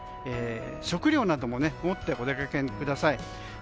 食料なども持ってお出かけください。